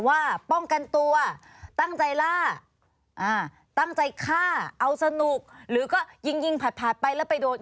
ว่าป้องกันตัวตั้งใจล่าอ่าตั้งใจฆ่าเอาสนุกหรือก็ยิงยิงผัดไปแล้วไปโดน